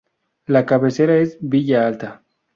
La cabecera es Villa Alta.